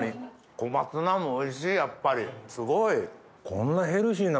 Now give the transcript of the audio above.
小松菜もおいしいやっぱりすごい！